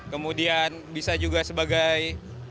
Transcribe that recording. kemudian bisa juga sebagai